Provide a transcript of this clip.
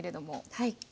はい。